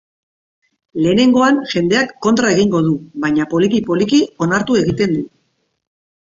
Lehenengoan, jendeak kontra egingo du, baina, poliki-poliki, onartu egiten du.